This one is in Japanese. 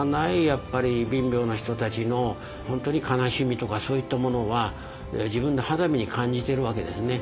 やっぱり貧乏な人たちの本当に悲しみとかそういったものは自分の肌身に感じてるわけですね。